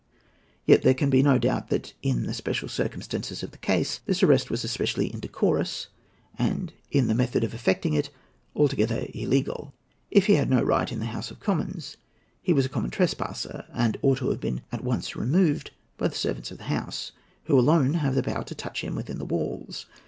Yet there can be no doubt that, in the special circumstances of the case, this arrest was especially indecorous, and, in the method of effecting it, altogether illegal. If he had no right in the House of Commons, he was a common trespasser, and ought to have been at once removed by the servants of the House, who alone could have power to touch him within the walls.